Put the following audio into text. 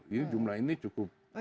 jadi jumlah ini cukup besar gitu